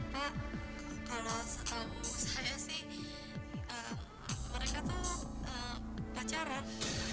pak kalau setahu saya sih mereka tuh pacaran